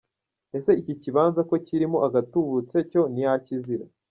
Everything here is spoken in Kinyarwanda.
Ese iki kibanza cyo ko kirimo agatubutse cyo ntiyakizira?